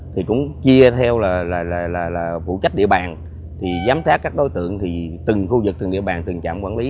thì cũng chia theo là vụ trách địa bàn giám sát các đối tượng từng khu vực từng địa bàn từng trạm quản lý